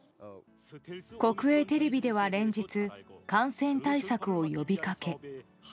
国営テレビでは連日感染対策を呼びかけ